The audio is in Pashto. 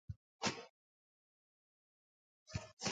د ستوریز سیستم مرکز لمر دی